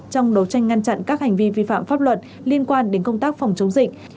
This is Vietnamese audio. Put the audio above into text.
trong đấu tranh ngăn chặn các hành vi vi phạm pháp luật liên quan đến công tác phòng chống dịch